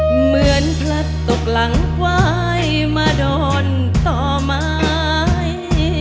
เหมือนพลัดตกหลังควายมาโดนต่อไม้